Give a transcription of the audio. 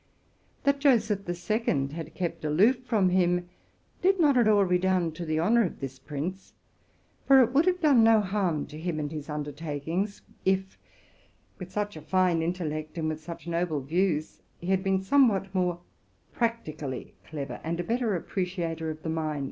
That Joseph the Second had kept aloof from him did not at all redound to the honor of this prince; for it would have done no harm to him and his undertakings, if, with such a fine intellect and with such noble views, he had been somewhat more prac tically clever,' and a better appreciator of the mind.